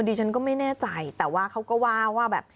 ดิฉันก็ไม่แน่ใจแต่ว่าเขาก็ว่าว่าแบบ